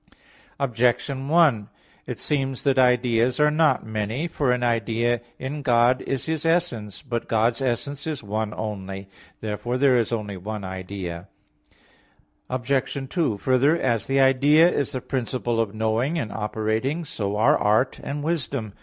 Objection 1: It seems that ideas are not many. For an idea in God is His essence. But God's essence is one only. Therefore there is only one idea. Obj. 2: Further, as the idea is the principle of knowing and operating, so are art and wisdom.